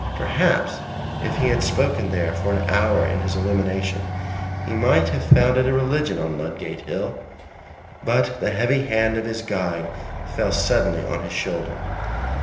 Perhaps if he had spoken there for an hour in his illumination he might have founded a religion on Ludgate Hill. But the heavy hand of his guide fell suddenly on his shoulder.